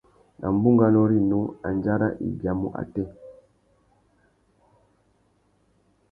Nà bunganô rinú, andjara i biamú atê?